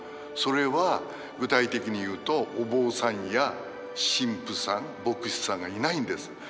それは具体的に言うとお坊さんや神父さん牧師さんがいないんです。